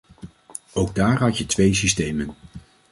Ook daar had je twee systemen.